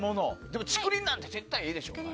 でも竹林なんて絶対いいでしょ。